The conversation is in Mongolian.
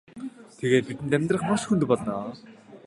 Тэгээд бидэнд амьдрахад маш хүнд болно.